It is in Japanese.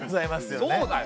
そうだよ！